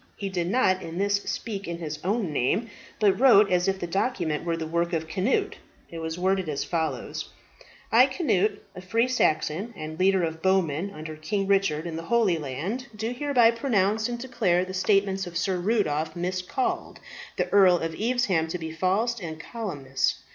He did not in this speak in his own name, but wrote as if the document were the work of Cnut. It was worded as follows: "I, Cnut, a free Saxon and a leader of bowmen under King Richard in the Holy Land, do hereby pronounce and declare the statements of Sir Rudolph, miscalled the Earl of Evesham, to be false and calumnious.